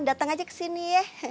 datang aja ke sini ye